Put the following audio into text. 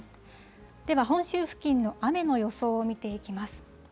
では、本州付近の雨の予想を見ていきます。